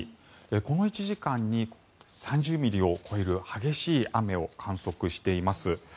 この１時間に３０ミリを超える激しい雨を観測しています。